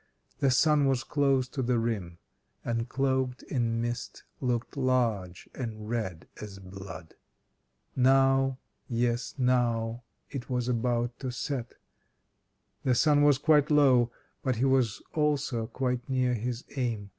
The sun was close to the rim, and cloaked in mist looked large, and red as blood. Now, yes now, it was about to set! The sun was quite low, but he was also quite near his aim.